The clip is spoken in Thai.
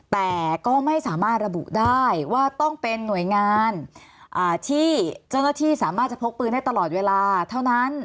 แต่ก็ไม่สามารถระบุได้ว่าต้องเป็นหน่วยงานที่เจ้าหน้าที่สามารถจะพกปืนได้ตลอดเวลาเท่านั้น